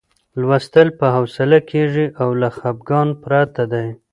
لوستل په حوصله کېږي او له خپګان پرته دی.